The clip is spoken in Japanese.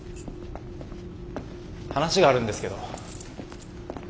話があるんですけど。